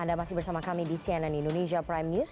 anda masih bersama kami di cnn indonesia prime news